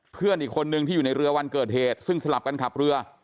เพื่อนอีกคนนึงที่อยู่ในเรือวันเกิดเหตุซึ่งสลับกันขับเรือ